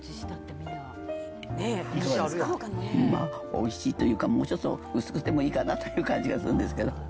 おいしいというか、もうちょっと薄くてもいいかなっていう感じがするんですけど。